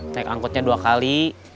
naik angkotnya dua kali